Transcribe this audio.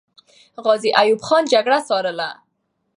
غازي ایوب خان جګړه ځارله.